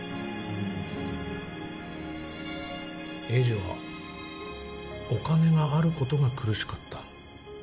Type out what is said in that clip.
栄治はお金があることが苦しかった。